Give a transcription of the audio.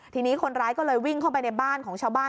ทีนี้คนร้ายก็เลยวิ่งเข้าไปในบ้านของชาวบ้าน